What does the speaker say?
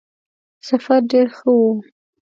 سفر ډېر ښه وو.